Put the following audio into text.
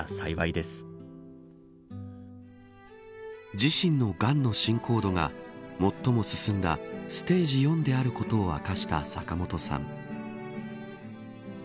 自身のがんの進行度が最も進んだステージ４であることを明かした坂本さん